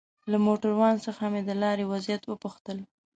له موټروان څخه مې د لارې وضعيت وپوښتل.